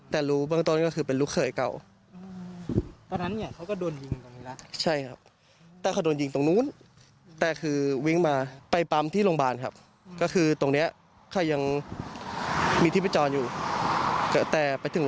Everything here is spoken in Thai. แต่สุดท้ายยืดไม่ไหวค่ะ